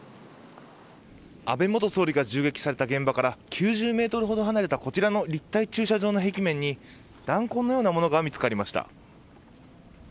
安倍元総理が銃撃された現場から９０ｍほど離れたこちらの立体駐車場の壁面に弾痕のようなものが見つかりました。